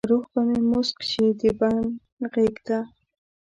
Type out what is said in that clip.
روح به مې موسک شي د بڼ غیږته به ،